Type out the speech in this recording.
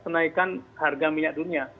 naikkan harga minyak dunia